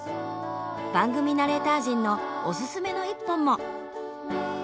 番組ナレーター陣のおすすめの一本も。